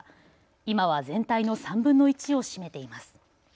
今は全体の３分の１を占めています。